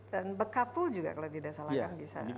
dan bekapul juga kalau tidak salah